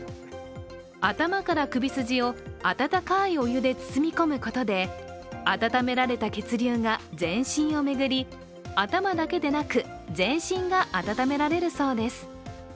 頭から首筋を温かいお湯で包み込むことで温められた血流が全身を巡り頭だけでなく全身が温められるそうです。